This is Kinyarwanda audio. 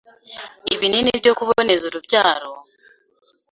ibinini byo kuboneza urubyaro,